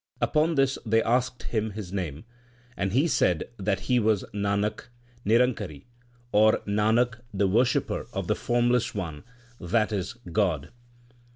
Upon this they asked him his name, and he said that he was Nanak Nirankari, or Nanak the worshipper of the Formless One, that is, God.